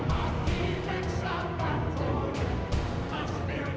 การสดลงตลับ